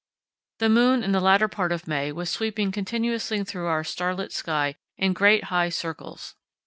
The moon in the latter part of May was sweeping continuously through our starlit sky in great high circles.